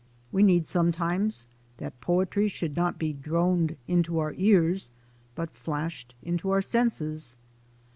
We need sometimes that poetry should be not droned into our ears, but flashed into our senses.